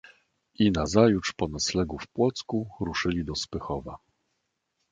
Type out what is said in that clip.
"I nazajutrz po noclegu w Płocku ruszyli do Spychowa."